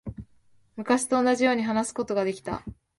昔と同じように話すことができた。